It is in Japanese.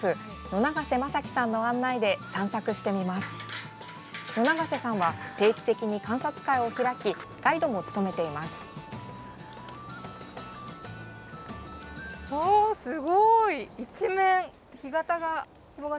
野長瀬さんは定期的に観察会を開きガイドも務めています。